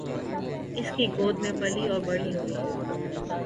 اسی کی گود میں پلی اور بڑی ہوئی۔